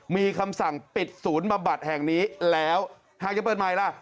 มีคำสั่งปิดศูนย์บำบัดแห่งนี้แล้วหากจะเปิดใหม่ล่ะ